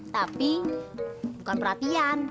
tapi bukan perhatian